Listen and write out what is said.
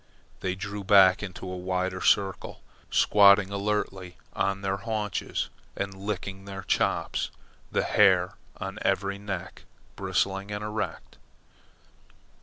They drew back into a wider circle, squatting alertly on their haunches and licking their chops, the hair on every neck bristling and erect.